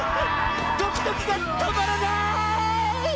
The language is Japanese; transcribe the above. ドキドキがとまらない！